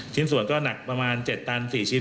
ชิ้นส่วนก็หนักประมาณ๗ตัน๔ชิ้น